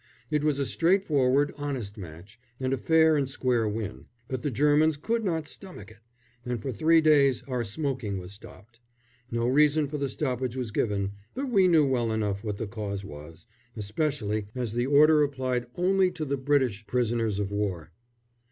It was a straightforward, honest match, and a fair and square win; but the Germans could not stomach it, and for three days our smoking was stopped. No reason for the stoppage was given; but we knew well enough what the cause was, especially as the order applied only to the British prisoners of war.